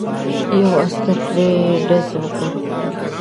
یو عسکر پرې ډز وکړ.